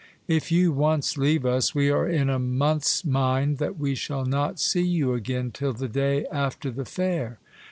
If you once leave us, we are in a month's mind that we shall not see you again till the day after the fair.